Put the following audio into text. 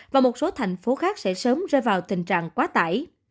và một số thành phố khác sẽ sớm rơi vào tình trạng quá tải